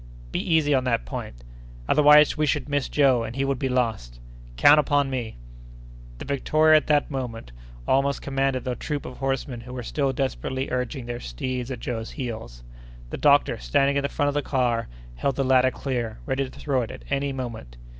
"Be easy on that point." "Otherwise, we should miss Joe, and he would be lost." "Count upon me!" The Victoria at that moment almost commanded the troop of horsemen who were still desperately urging their steeds at Joe's heels. The doctor, standing in the front of the car, held the ladder clear, ready to throw it at any moment.